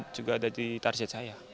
team juga ada di target saya